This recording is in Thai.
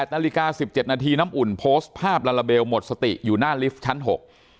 นาฬิกาสิบเจ็ดนาทีน้ำอุ่นโพสต์ภาพลาลาเบลหมดสติอยู่หน้าลิฟท์ชั้นหก